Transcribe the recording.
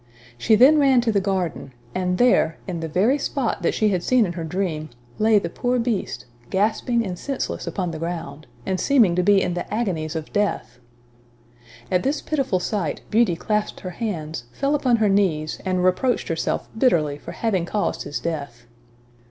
She then ran to the garden, and there, in the very spot that she had seen in her dream, lay the poor Beast, gasping and senseless upon the ground; and seeming to be in the agonies of death! At this pitiful sight, Beauty clasped her hands, fell upon her knees, and reproached herself bitterly for having caused his death.